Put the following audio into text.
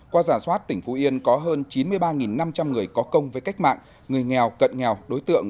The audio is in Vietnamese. qua giả soát tỉnh phú yên có hơn chín mươi ba năm trăm linh người có công với cách mạng người nghèo cận nghèo đối tượng